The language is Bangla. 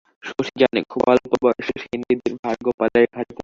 শশী জানে, খুব অল্পবয়সে সেনদিদির ভার গোপালের ঘাড়ে পড়িয়াছিল।